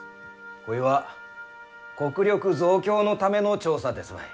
こいは国力増強のための調査ですばい。